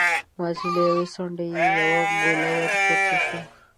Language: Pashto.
مازې له يوې څنډې يې يوه ګوله ور پورته شوې وه.